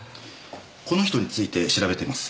この人について調べています。